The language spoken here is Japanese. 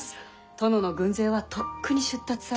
殿の軍勢はとっくに出立され。